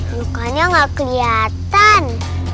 lukanya gak keliatan